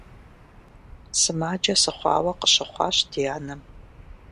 Сымаджэ сыхъуауэ къыщыхъуащ ди анэм.